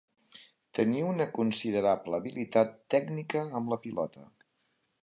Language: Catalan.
Tenia una considerable habilitat tècnica amb la pilota.